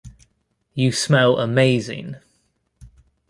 You smell amazing.